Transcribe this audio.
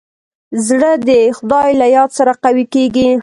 زړه د خدای له یاد سره قوي کېږي.